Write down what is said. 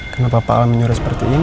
kenapa pak alam menyuruh seperti ini